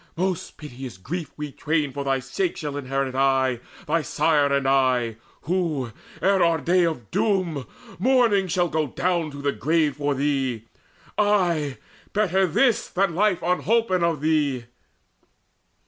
Most piteous grief We twain for thy sake shall inherit aye, Thy sire and I, who, ere our day of doom, Mourning shall go down to the grave for thee Ay, better this than life unholpen of thee!"